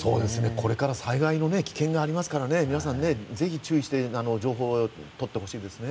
これから災害の危険がありますから皆さんぜひ注意して情報を見てほしいですね。